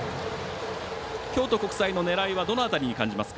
京都国際の狙いはどの辺りに感じますか？